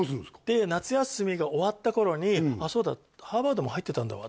で夏休みが終わった頃に「あっそうだハーバードも入ってたんだわ」